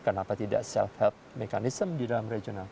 kenapa tidak self health mechanism di dalam regional